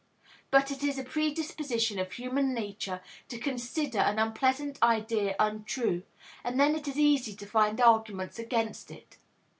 But it is a predisposition of human nature to consider an unpleasant idea untrue, and then it is easy to find arguments against it.